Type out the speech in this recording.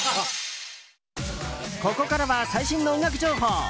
ここからは最新の音楽情報。